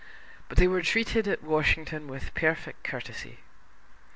But they were treated at Washington with perfect courtesy.